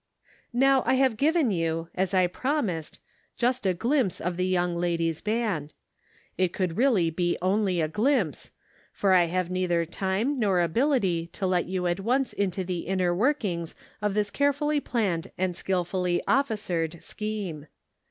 Now I have given you, as I promised, just a " G ood Measure" 505 glimpse of the Young Ladies' Band. It could realty be only a glimpse, for I have neither time nor ability to let you at once into the inner workings of this carefully planned and skillfully officered scheme.